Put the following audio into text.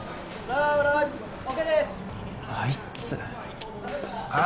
あいつあ